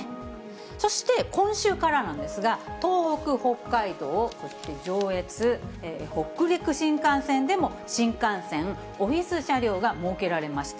そして、今週からなんですが、東北、北海道、そして上越、北陸新幹線でも新幹線オフィス車両が設けられました。